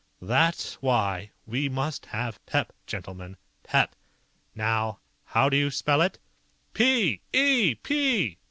"That's why we must have pep, gentlemen. Pep. Now how do you spell it?" "P! E!